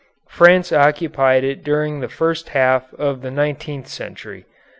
France occupied it during the first half of the nineteenth century.